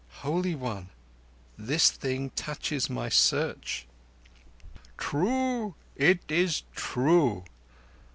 Holy One, this thing touches my Search." "True. It is true."